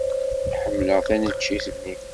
Ḥemmleɣ taneččit-nni.